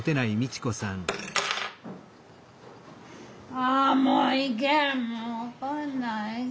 ああもういけん！